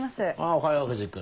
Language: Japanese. おはよう藤君。